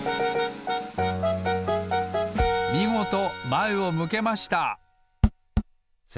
みごとまえを向けました！